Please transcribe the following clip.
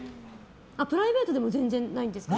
プライベートでも全然ないですか？